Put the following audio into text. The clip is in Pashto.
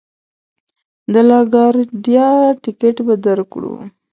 د لا ګارډیا ټکټ به درکړو.